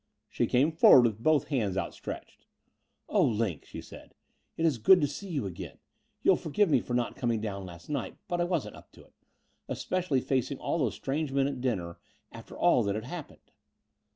She came forward with both hands outstretched. 0h. Line," she said, it is good to see you again. You'll forgive me for not coming down last night : but I wasn't up to it, especially facing all those strange men at dinner after all that had happened."